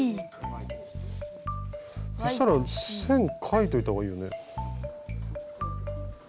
そしたら線描いておいた方がいいよね。